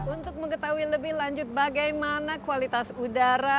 untuk mengetahui lebih lanjut bagaimana kualitas udara